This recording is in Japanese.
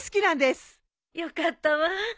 よかったわ。